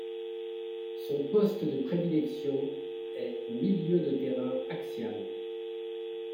Son poste de prédilection est milieu de terrain axial.